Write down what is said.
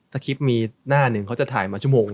ถ้าคลิปมีหน้าหนึ่งเขาจะถ่ายมาชั่วโมง